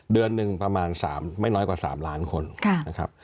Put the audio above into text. เดือนหนึ่งประมาณไม่น้อยกว่า๓ล้านคนนะครับ